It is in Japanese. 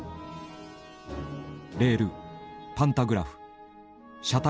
レールパンタグラフ車体強度。